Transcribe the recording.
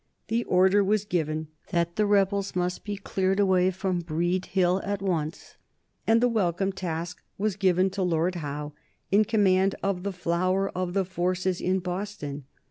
The order was given that the rebels must be cleared away from Breed Hill at once, and the welcome task was given to Lord Howe, in command of the flower of the forces in Boston.